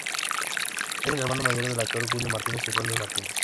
Es el hermano mayor del actor William Martínez y Ronnie Martínez.